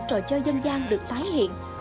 những trò chơi dân gian được tái hiện